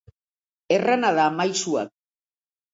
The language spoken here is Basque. Errana da, maisuak.